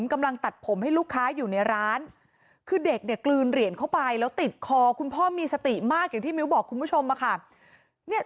กำลังตัดผมให้ลูกค้าอยู่ในร้านคือเด็กเนี่ยกลืนเหรียญเข้าไปแล้วติดคอคุณพ่อมีสติมากอย่างที่มิ้วบอกคุณผู้ชมค่ะ